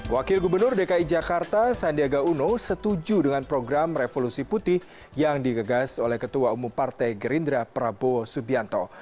wakil gubernur dki jakarta sandiaga uno setuju dengan program revolusi putih yang digegas oleh ketua umum partai gerindra prabowo subianto